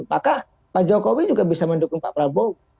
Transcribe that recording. maka pak jokowi juga bisa mendukung pak prabowo